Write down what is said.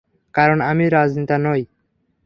কারণ আমি রাজনেতা নই।